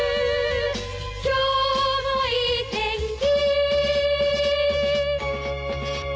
「今日もいい天気」